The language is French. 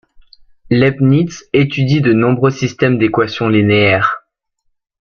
Leibniz étudie de nombreux systèmes d'équations linéaires.